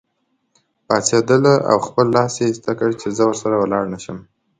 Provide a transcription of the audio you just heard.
پاڅېدله او خپل لاس یې ایسته کړ چې زه ورسره ولاړ نه شم.